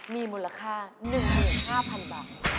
มีมูลค่า๑๕๐๐๐บาท